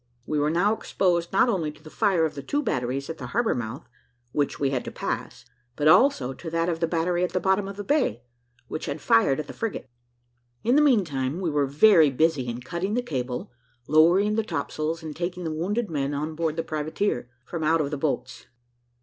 We were now exposed not only to the fire of the two batteries at the harbour mouth which we had to pass, but also to that of the battery at the bottom of the bay, which had fired at the frigate. In the meantime, we were very busy in cutting the cable, lowering the topsails, and taking the wounded men on board the privateer, from out of the boats.